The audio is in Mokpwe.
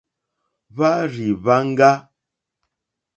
Hwá rzì hwáŋɡá.